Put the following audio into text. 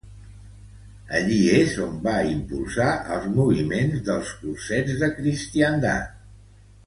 Allí és on va impulsar el moviment dels Cursets de Cristiandat.